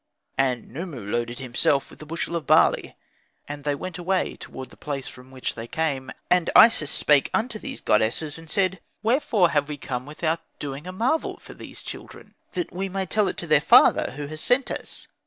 And Khnumu loaded himself with the bushel of barley. And they went away toward the place from which they came. And Isis spake unto these goddesses, and said, "Wherefore have we come without doing a marvel for these children, that we may tell it to their father who has sent us?"